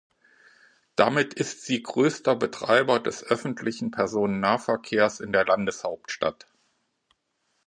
Damit ist sie größter Betreiber des öffentlichen Personennahverkehrs in der Landeshauptstadt.